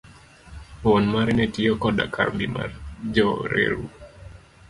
Wuon mare ne otiyo koda kambi mar Jo reru.